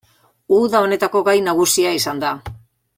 Uda honetako gai nagusia izan da.